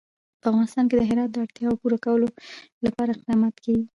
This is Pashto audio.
په افغانستان کې د هرات د اړتیاوو پوره کولو لپاره اقدامات کېږي.